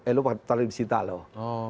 eh lupa terlalu disita loh